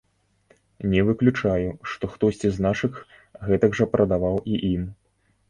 Не выключаю, што хтосьці з нашых гэтак жа прадаваў і ім.